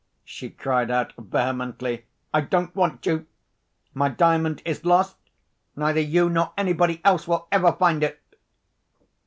she cried out vehemently. "I don't want you. My Diamond is lost. Neither you nor anybody else will ever find it!"